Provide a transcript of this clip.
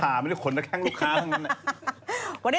คืนนี้ดูข่าวไว้